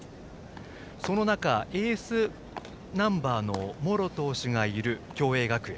その中、エースナンバーの茂呂投手がいる共栄学園。